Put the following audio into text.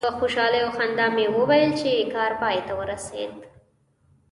په خوشحالي او خندا مې وویل چې کار پای ته ورسید.